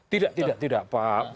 tidak tidak pak